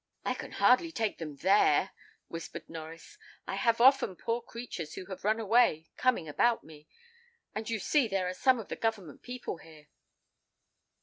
"I can hardly take them there," whispered Norries. "I have often poor creatures who have run away coming about me, and you see there are some of the government people here."